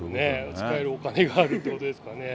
使えるお金があるっていうことですかね。